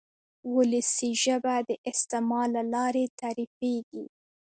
وولسي ژبه د استعمال له لارې تعریفېږي.